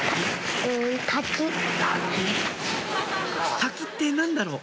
タキって何だろう？